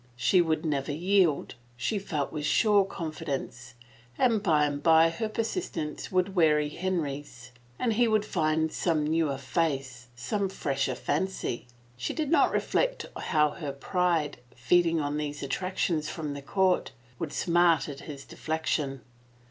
She would never yield, she felt with sure con fidence, and by and by her persistence would weary Henry's and he would find some newer face, some fresher fancy. She did not reflect how her pride, feeding on these attentions from the court, would smart at his de flection.